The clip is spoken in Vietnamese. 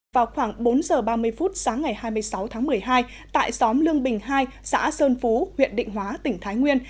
vào khoảng bốn giờ ba mươi phút sáng ngày hai mươi sáu tháng một mươi hai tại xóm lương bình hai xã sơn phú huyện định hóa tỉnh thái nguyên